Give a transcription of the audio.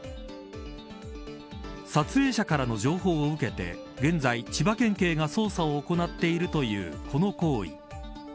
撮影者からの情報を受けて現在千葉県警が捜査を行っているというこの行為。